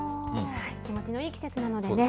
気持ちのいい季節なのでね。